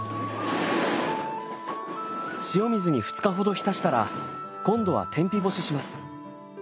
塩水に２日ほど浸したら今度は天日干しします。